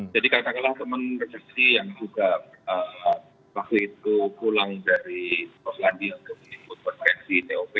jadi katakanlah teman rejeki yang juga waktu itu pulang dari toslandia untuk meliput vaksin t o p